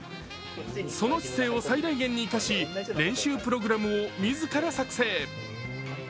その調整を最大限に生かし、練習プログラムを自ら作成。